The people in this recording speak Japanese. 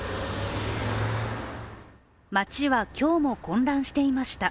街は今日も混乱していました。